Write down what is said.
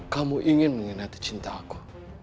kamu ingin mengkhianati cinta aku